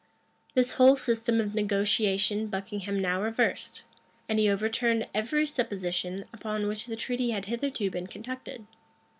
[*] This whole system of negotiation Buckingham now reversed; and he overturned every supposition upon which the treaty had hitherto been conducted.